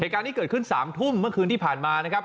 การที่เกิดขึ้น๓ทุ่มเมื่อคืนที่ผ่านมานะครับ